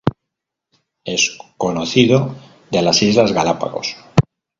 Es conocido de las Islas Galápagos.